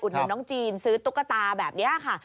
นุนน้องจีนซื้อตุ๊กตาแบบนี้ค่ะ